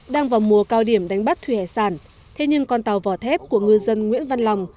đang vào mùa cao điểm đánh bắt thủy hải sản thế nhưng con tàu vỏ thép của ngư dân nguyễn văn lòng